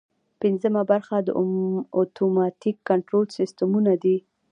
پنځمه برخه د اتوماتیک کنټرول سیسټمونه دي.